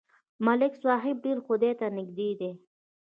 ملک صاحب ډېر خدای ته نږدې دی.